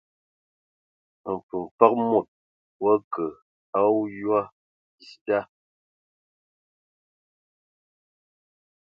Mfəfəg mod wa kə a oyoa dis da.